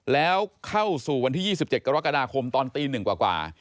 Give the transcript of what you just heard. แล้วเข้าสู่วันที่๒๗กรกฎาคมตอนตี๑กว่า